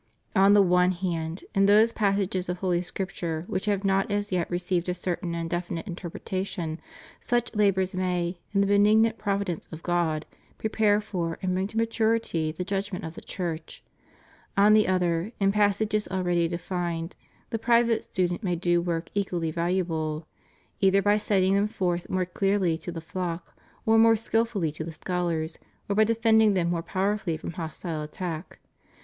On the one hand, in those passages of Holy Scripture which have not as yet received a certain and definite interpretation, such labors may, in. the benignant providence of God, prepare for and bring to maturity the judgment of the Church; on the other, in passages already defined, the private student may do work equally valuable, either by setting them forth more clearly to the flock or more skilfully to the scholars, or by defending them more powerfully from hostile attack.